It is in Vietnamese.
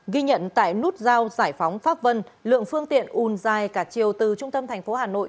ghi nhận tại nút giao giải phóng pháp vân lượng phương tiện ùn dài cả chiều từ trung tâm thành phố hà nội